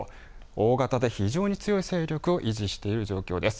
大型で非常に強い勢力を維持している状況です。